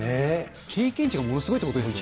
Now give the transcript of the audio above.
経験値がものすごいってことですよね。